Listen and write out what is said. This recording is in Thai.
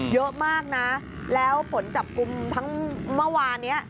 เยอะมากนะแล้วผลจับกลุ่มทั้งเมื่อวานนี้